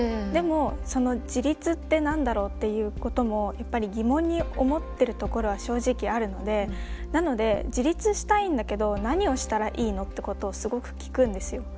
でも自立って何だろうっていうこともやっぱり疑問に思ってるところは正直あるのでなので自立したいんだけど何をしたらいいのってことをすごく聞くんですよ。